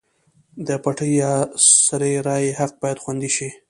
د پټې یا سري رایې حق باید خوندي شي.